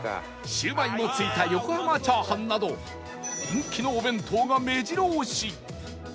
シウマイも付いた横濱チャーハンなど人気のお弁当が目白押し